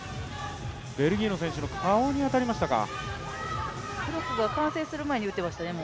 ベルギーの選手の顔に当たりましたか。